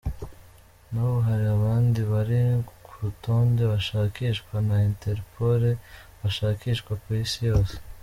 N’ubu hari abandi bari ku rutonde bashakishwa na Interpol, bashakishwa ku Isi yose.